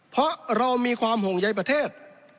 เพราะเรามีความห่วงใยประเทศ